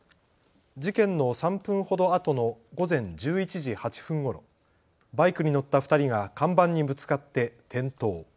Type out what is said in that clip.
事件の３分ほどあとの午前１１時８分ごろバイクに乗った２人が看板にぶつかって転倒。